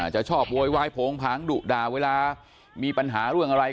จะชอบโวยวายโผงผางดุด่าเวลามีปัญหาเรื่องอะไร